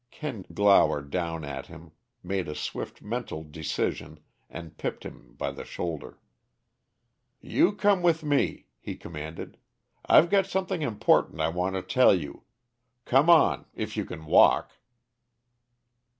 Kent glowered down at him, made a swift, mental decision, and pipped him by the shoulder. "You come with me," he commanded. "I've got something important I want to tell you. Come on if you can walk."